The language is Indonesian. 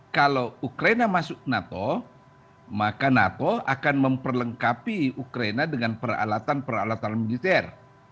kalau ukraina masuk nato maka nato akan memperlengkapi ukraina dengan peralatan peralatan militer